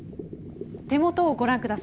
手元をご覧ください。